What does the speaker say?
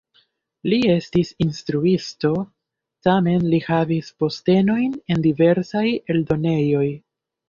Li estis instruisto, tamen li havis postenojn en diversaj eldonejoj.